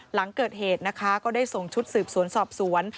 หลังเกิดเหตุนะคะก็ได้ส่งชุดสืบสวนสอบสวน